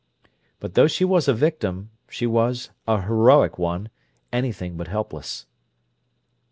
But though she was a victim, she was a heroic one, anything but helpless.